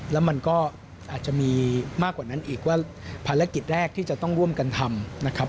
แล้วมันก็อาจจะมีมากกว่านั้นอีกว่าภารกิจแรกที่จะต้องร่วมกันทำนะครับ